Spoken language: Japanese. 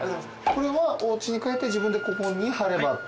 これはおうちに帰って自分でここに貼ればって。